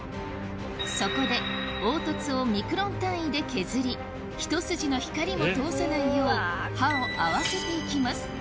そこで凹凸をミクロン単位で削りひと筋の光も通さないよう刃を合わせていきます